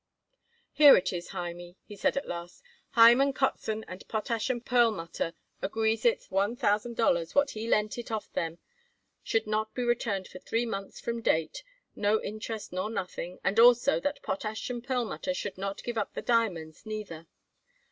"Here it is, Hymie," he said at last. "Hyman Kotzen and Potash & Perlmutter agrees it that one thousand dollars what he lent it off of them should not be returned for three months from date, no interest nor nothing. And also, that Potash & Perlmutter should not give up the diamonds, neither.